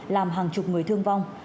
làm hàng chục người thương vong